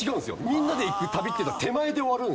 みんなで行く旅ってのは手前で終わるんです。